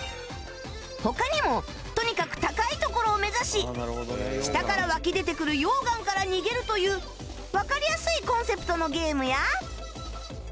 他にもとにかく高い所を目指し下から湧き出てくる溶岩から逃げるというわかりやすいコンセプトのゲームや